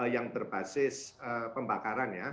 yang berbasis pembakaran ya